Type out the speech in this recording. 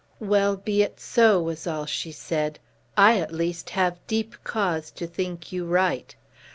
"Well, be it so," was all she said. "I, at least, have deep cause to think you right.